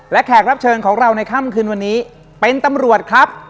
และแขกรับเชิญของเราในค่ำคืนวันนี้เป็นตำรวจครับ